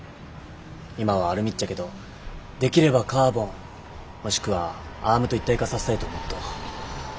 今はアルミっちゃけどできればカーボンもしくはアームと一体化させたいと思っとう。